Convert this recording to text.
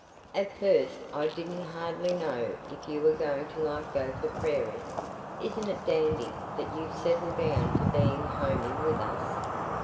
At first I didn't hardly know if you were going to like Gopher Prairie. Isn't it dandy that you've settled down to being homey with us!